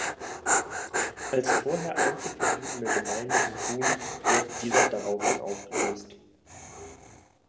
Als vorher einzig verbliebene Gemeinde im Gun, wurde dieser daraufhin aufgelöst.